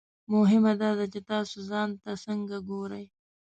مهمه دا ده چې تاسو ځان ته څنګه ګورئ.